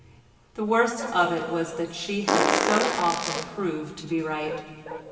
The worst of it was that she had so often proved to be right.